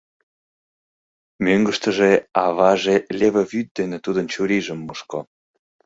Мӧҥгыштыжӧ аваже леве вӱд дене тудын чурийжым мушко.